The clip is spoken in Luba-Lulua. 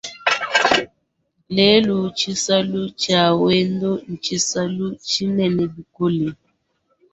Lelu, tshisalu tshia wendo ntshisalu tshinene bikole.